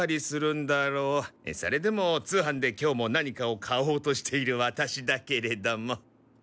それでも通販で今日も何かを買おうとしているワタシだけれども。